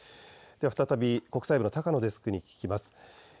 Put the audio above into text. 再び国際部高野デスクに聞きます。